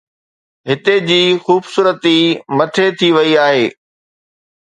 هتي جي خوبصورتي مٽي ٿي وئي آهي